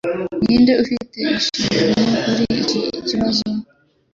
Ninde ufite inshingano kuri iki kibazo?